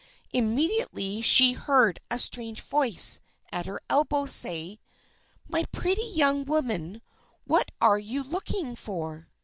Immediately she heard a strange voice at her elbow say: "My pretty young woman, what are you looking for?"